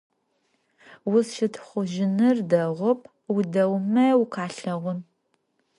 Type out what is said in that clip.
Узщытхъужьыныр дэгъоп, удэгъумэ укъалъэгъун.